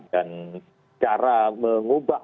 dan cara mengubah